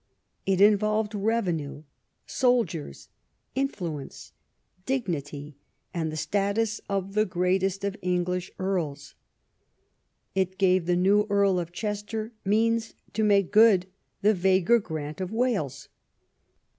It involved revenue, soldiers, influence, dignity, and the status of the greatest of English earls. It gave the new Earl of Chester means to make good the vaguer grant of "Wales."